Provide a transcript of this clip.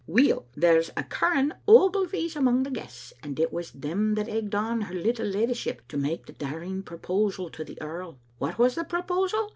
Weel, there's a curran Ogilvys among the guests, and it was them that egged on her little leddyship to make the dar ing proposal to the earl. What was the proposal?